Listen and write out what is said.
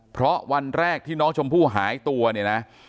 เพราะวันแรกที่น้องชมพู่หายตัวเนี่ยนะ